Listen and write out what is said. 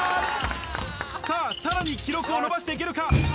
さあ、さらに記録を伸ばしていけるか。